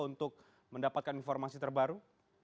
untuk mendapatkan informasi terbaru